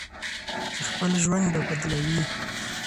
چې خپل ژوند به بدلوي.